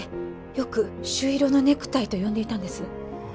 よく「朱色のネクタイ」と呼んでいたんです